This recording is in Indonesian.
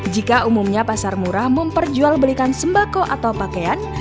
jika umumnya pasar murah memperjual belikan sembako atau pakaian